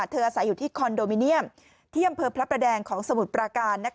อาศัยอยู่ที่คอนโดมิเนียมที่อำเภอพระประแดงของสมุทรปราการ